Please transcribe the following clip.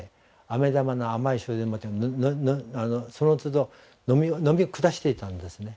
あめ玉の甘い汁でもってそのつど飲み下していたんですね